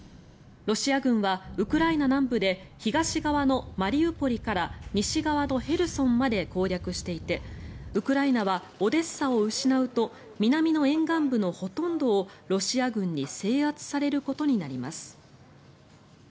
ロシア軍は、ウクライナ南部で東側のマリウポリから西側のヘルソンまで攻略していてウクライナはオデッサを失うと南の沿岸部のほとんどをロシア軍に制圧されることになります。